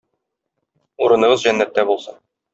Урыныгыз җәннәттә булсын!